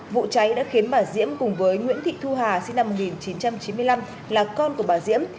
vụ cháy đã khiến bà diễm cùng với nguyễn thị thu hà sinh năm một nghìn chín trăm chín mươi năm là con của bà diễm